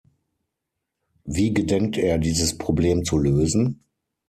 Wie gedenkt er dieses Problem zu lösen?